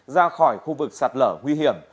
ra khỏi khu vực sạt lở nguy hiểm